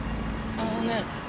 あのね。